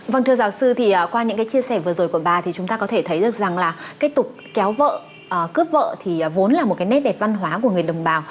vâng thưa giáo sư thì qua những cái chia sẻ vừa rồi của bà thì chúng ta có thể thấy được rằng là cái tục kéo vợ cướp vợ thì vốn là một cái nét đẹp văn hóa của người đồng bào